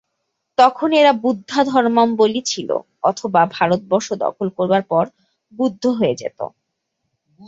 তখন এরা বৌদ্ধধর্মাবলম্বী ছিল, অথবা ভারতবর্ষ দখল করবার পর বৌদ্ধ হয়ে যেত।